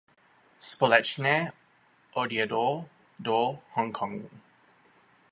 Společně odjedou do Hongkongu.